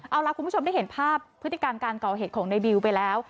เอาล่ะคุณผู้ชมได้เห็นภาพพฤติการการก่อเหตุของในบิวไปแล้ว